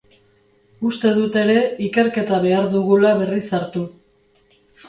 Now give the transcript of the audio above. Uste dut ere ikerketa behar dugula berriz hartu.